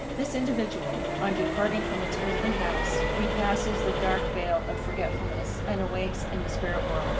This individual, on departing from its earthly house, repasses the dark vale of forgetfulness, and awakes in the spirit world.